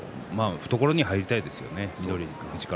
懐に入りたいですよね